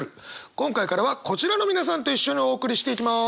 今回からはこちらの皆さんと一緒にお送りしていきます。